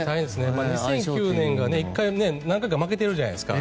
２００９年が何回か負けてるじゃないですか。